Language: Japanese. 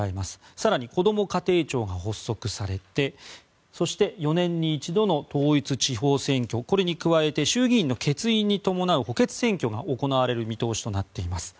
更に、こども家庭庁が発足されてそして、４年に一度の統一地方選挙これに加えて衆議院の欠員に伴う補欠選挙が行われる見通しとなっています。